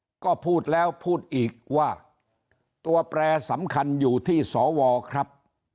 แล้วก็พูดแล้วพูดอีกว่าตัวแปรสำคัญอยู่ที่สวครับ